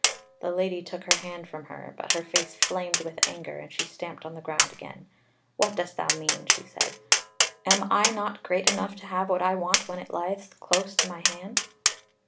The Lady took her hand from her, but her face flamed with anger and she stamped on the ground again: "What dost thou mean?" she said; "am I not great enough to have what I want when it lieth close to my hand?"